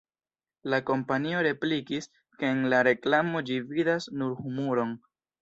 La kompanio replikis, ke en la reklamo ĝi vidas nur humuron.